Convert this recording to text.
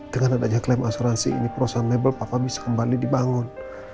dengan adanya klaim asuransi ini perusahaan label papa bisa kembali dibangun